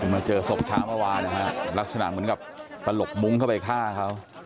มาเจอศพเช้าเมื่อวานนะฮะลักษณะเหมือนกับตลกมุ้งเข้าไปฆ่าเขา